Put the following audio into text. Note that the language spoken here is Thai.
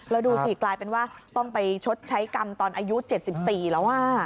แล้วดูสิกลายเป็นว่าต้องไปชดใช้กรรมตอนอายุ๗๔แล้ว